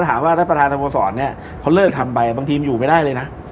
ท่านประธานสโมสรเนี่ยเขาเลิกทำไปบางทีมันอยู่ไม่ได้เลยนะ